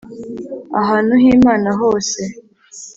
ahantu h Imana hose